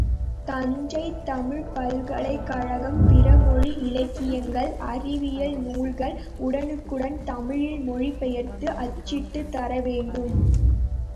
தஞ்சைத் தமிழ்ப் பல்கலைக் கழகம் பிறமொழி இலக்கியங்கள், அறிவியல் நூல்கள் உடனுக்குடன் தமிழில் மொழி பெயர்த்து அச்சிட்டுத் தரவேண்டும்.